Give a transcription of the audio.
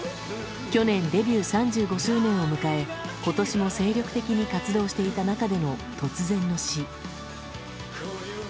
去年デビュー３５周年を迎え今年も精力的に活動していた中での突然の死。